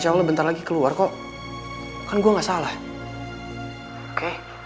tidak obatnya minum kalau interruptingchnaan publik